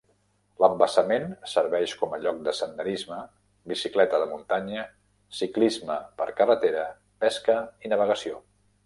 L'embassament serveix com lloc de senderisme, bicicleta de muntanya, ciclisme per carretera, pesca i navegació.